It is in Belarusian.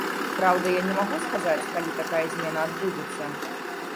Праўда, я не магу сказаць, калі такая змена адбудзецца.